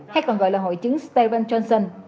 hay còn gọi là hội chứng steven johnson